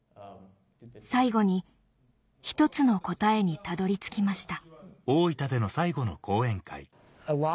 最後に１つの答えにたどり着きました